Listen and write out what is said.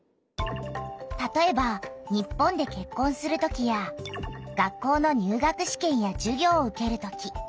たとえば日本で結婚するときや学校の入学試験やじゅぎょうを受けるとき。